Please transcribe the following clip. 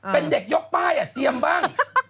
เป็นเด็กยกป้ายอ่ะเจียมบ้าง